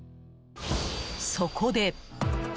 そこで。